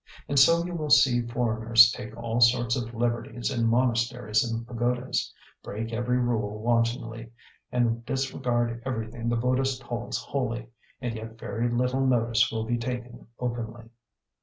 And so you will see foreigners take all sorts of liberties in monasteries and pagodas, break every rule wantonly, and disregard everything the Buddhist holds holy, and yet very little notice will be taken openly.